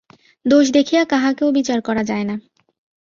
দোষ দেখিয়া কাহাকেও বিচার করা যায় না।